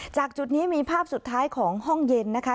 จุดนี้มีภาพสุดท้ายของห้องเย็นนะคะ